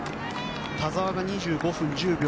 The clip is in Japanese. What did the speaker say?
田澤が２５分１０秒。